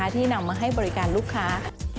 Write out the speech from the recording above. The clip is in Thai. ที่นำมาให้บริการลูกค้า